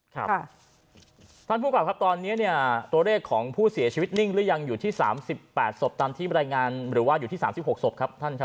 ครับท่านผู้กลับครับตอนนี้เนี่ยตัวเลขของผู้เสียชีวิตนิ่งหรือยังอยู่ที่๓๘ศพตามที่บรรยายงานหรือว่าอยู่ที่๓๖ศพครับท่านครับ